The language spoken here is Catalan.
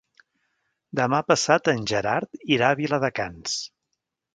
Demà passat en Gerard irà a Viladecans.